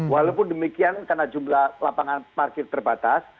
walaupun demikian karena jumlah lapangan parkir terbatas